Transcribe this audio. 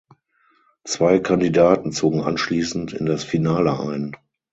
Zwei Kandidaten zogen anschließend in das Finale ein.